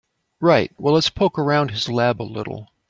Right, well let's poke around his lab a little.